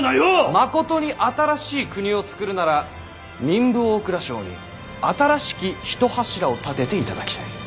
まことに新しい国を作るなら民部・大蔵省に新しき一柱を立てていただきたい。